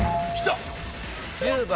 １０番。